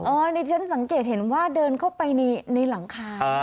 อันนี้ฉันสังเกตเห็นว่าเดินเข้าไปในหลังคา